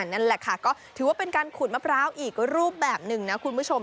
นั่นแหละค่ะก็ถือว่าเป็นการขุดมะพร้าวอีกรูปแบบหนึ่งนะคุณผู้ชม